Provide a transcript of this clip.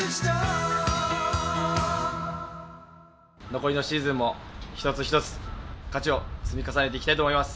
残りのシーズンも１つ１つ、勝ちを積み重ねていきたいと思います。